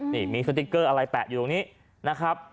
นี่มีสติ๊กเกอร์อะไรแปะอยู่ตรงนี้นะครับ